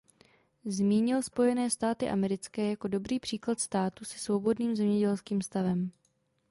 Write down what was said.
Zmínil Spojené státy americké jako dobrý příklad státu se svobodným zemědělským stavem.